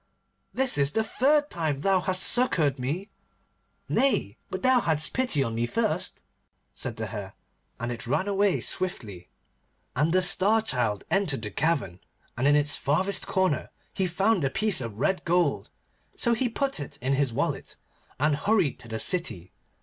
this is the third time thou hast succoured me.' 'Nay, but thou hadst pity on me first,' said the Hare, and it ran away swiftly. And the Star Child entered the cavern, and in its farthest corner he found the piece of red gold. So he put it in his wallet, and hurried to the city.